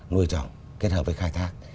nuôi chồng kết hợp với khai thác